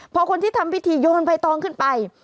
พอคนที่ทำพิธีโยนใบตองขึ้นไป